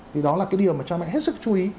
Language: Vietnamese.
thì đó là cái điều mà cha mẹ hết sức chú ý